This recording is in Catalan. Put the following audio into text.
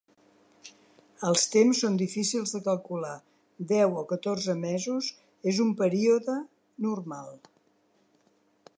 Els temps són difícils de calcular, deu o catorze mesos és un període normal.